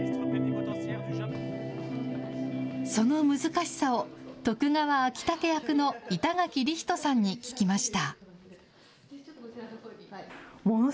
その難しさを、徳川昭武役の板垣李光人さんに聞きました。